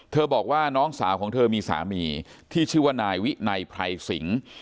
บอกว่าน้องสาวของเธอมีสามีที่ชื่อว่านายวินัยไพรสิง